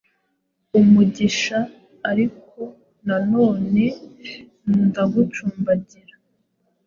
umugisha ariko nanone ndacumbagira.